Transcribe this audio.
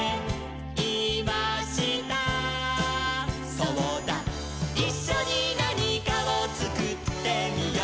「そうだいっしょになにかをつくってみよう」